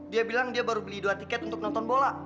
dia bilang dia baru beli dua tiket untuk nonton bola